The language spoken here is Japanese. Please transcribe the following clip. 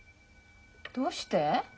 どうして？